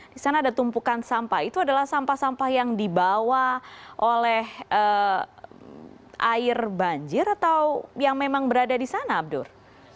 di sana ada tumpukan sampah itu adalah sampah sampah yang dibawa oleh air banjir atau yang memang berada di sana abdur